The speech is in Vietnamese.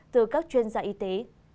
từ các chuyên gia y tế